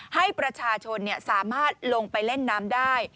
ให้ประชาชนสามารถลงไปเล่นน้ำได้